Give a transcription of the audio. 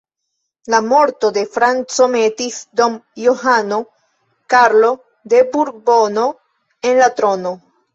La morto de Franco metis Don Johano Karlo de Burbono en la trono.